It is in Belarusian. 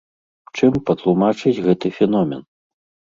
Чым патлумачыць гэты феномен?